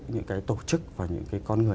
những cái tổ chức và những cái con người